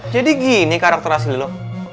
jadi gini karakter hasil lo